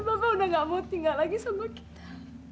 bapak udah gak mau tinggal lagi sama kita